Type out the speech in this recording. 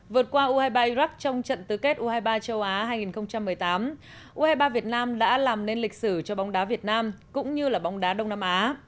vượt qua u hai mươi ba iraq trong trận tứ kết u hai mươi ba châu á hai nghìn một mươi tám u hai mươi ba việt nam đã làm nên lịch sử cho bóng đá việt nam cũng như bóng đá đông nam á